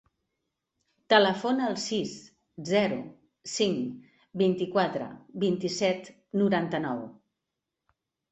Telefona al sis, zero, cinc, vint-i-quatre, vint-i-set, noranta-nou.